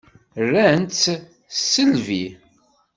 Ran-tt s tisselbi.